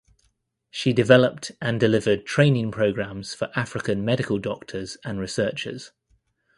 She developed and delivered training programmes for African medical doctors and researchers.